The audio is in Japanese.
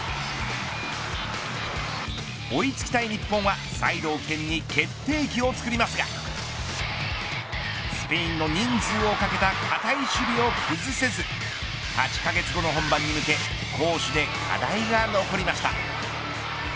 追いつきたい日本はサイドを起点に決定機をつくりますがスペインの人数をかけた堅い守備を崩せず８カ月後の本番に向け攻守で課題が残りました。